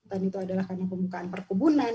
itu adalah karena pembukaan perkebunan